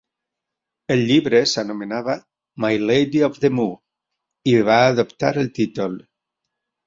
El llibre s'anomenava "My Lady of the Moor" i va adoptar el títol.